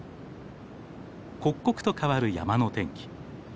刻々と変わる山の天気。